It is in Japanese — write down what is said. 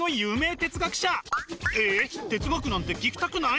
哲学なんて聞きたくない？